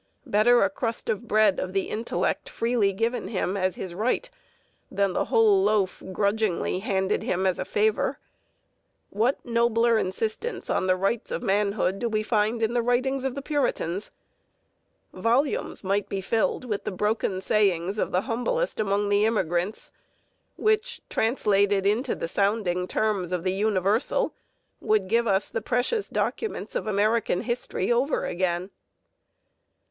Better a crust of the bread of the intellect freely given him as his right than the whole loaf grudgingly handed him as a favor. What nobler insistence on the rights of manhood do we find in the writings of the Puritans? Volumes might be filled with the broken sayings of the humblest among the immigrants which, translated into the sounding terms of the universal, would give us the precious documents of American history over again.